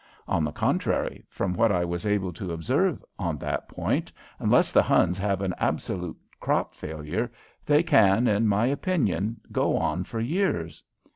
On the contrary, from what I was able to observe on that point, unless the Huns have an absolute crop failure, they can, in my opinion, go on for years!